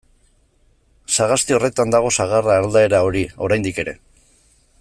Sagasti horretan dago sagar aldaera hori, oraindik ere.